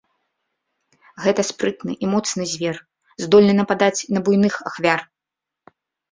Гэта спрытны і моцны звер, здольны нападаць на буйных ахвяр.